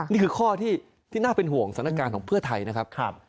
นี่คือข้อที่น่าเป็นห่วงสถานการณ์ของเพื่อไทยนะครับ